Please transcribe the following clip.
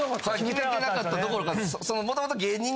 決めてなかったどころか。